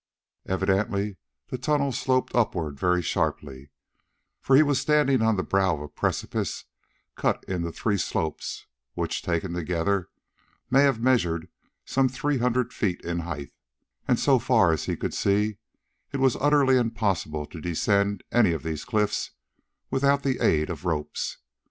Evidently the tunnel sloped upwards very sharply, for he was standing on the brow of a precipice cut into three steps, which, taken together, may have measured some three hundred feet in height, and, so far as he could see, it was utterly impossible to descend any of these cliffs without the aid of ropes.